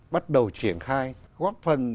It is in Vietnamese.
bắt đầu triển khai góp phần